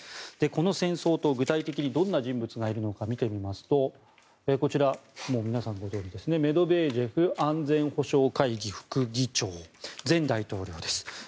この戦争党具体的にどんな人物がいるのか見てみますとこちら、もう皆さんご存じですねメドベージェフ安全保障会議副議長前大統領です。